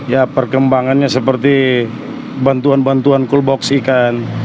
ya perkembangannya seperti bantuan bantuan coolbox ikan